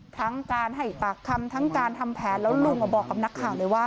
ทั้งการให้ปากคำทั้งการทำแผนแล้วลุงบอกกับนักข่าวเลยว่า